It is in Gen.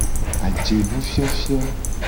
Ajenufiofio.